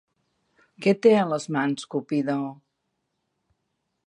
Què té a les mans Cupido?